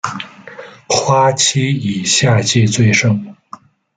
花期以夏季最盛。